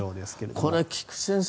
これ菊地先生